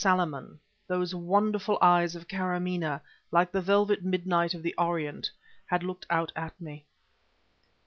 Salaman, those wonderful eyes of Karamaneh like the velvet midnight of the Orient, had looked out at me.